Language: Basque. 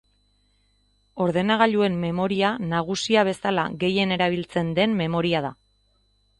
Ordenagailuen memoria nagusia bezala gehien erabiltzen den memoria da.